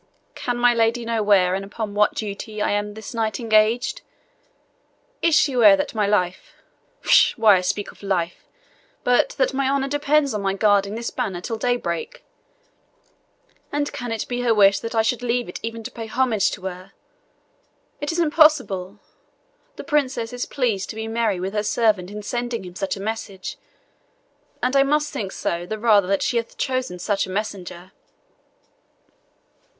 "Can my lady know where and upon what duty I am this night engaged? Is she aware that my life pshaw, why should I speak of life but that my honour depends on my guarding this banner till daybreak; and can it be her wish that I should leave it even to pay homage to her? It is impossible the princess is pleased to be merry with her servant in sending him such a message; and I must think so the rather that she hath chosen such a messenger."